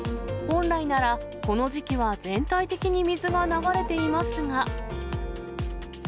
本来なら、この時期は全体的に水が流れていますが。